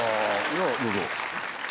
じゃあどうぞ。